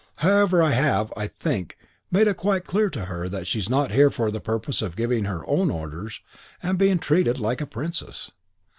However, I have, I think, made it quite clear to her that she is not here for the purpose of giving her own orders and being treated like a princess."